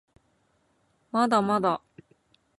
まだまだ